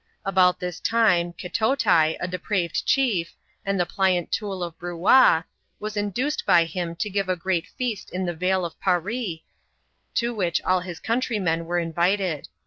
Abont this time, Kitoti, a depraved chief, and the pHasit tool of Bruat, was induced by him to give a great feast in the Vale of Paree, to which all his countrymen were invited.